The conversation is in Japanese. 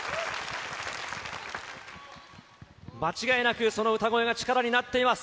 間違いなく、その歌声が力になっています。